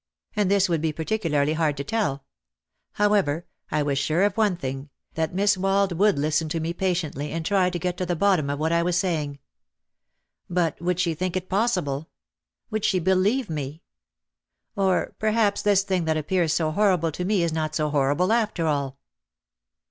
And this would be particularly hard to tell. However, I was sure of one thing, that Miss Wald would listen to me patiently and try to get to the bottom of what I was saying. But would she think it possible? Would she be lieve me ? Or perhaps this thing that appears so horrible to me is not so horrible after all.